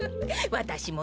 わたしもね